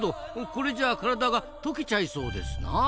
これじゃあ体が溶けちゃいそうですなあ。